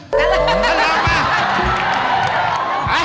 ท่านรองมา